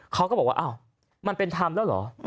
เขาก็บอกว่าอ้าวมันเป็นธรรมแล้วเหรอ